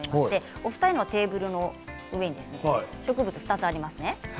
お二人のテーブルに植物が２つありますね。